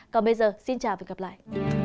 còn bây giờ xin chào và gặp lại